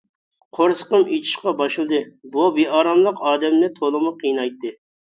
قورسىقىم ئېچىشقا باشلىدى، بۇ بىئاراملىق ئادەمنى تولىمۇ قىينايتتى.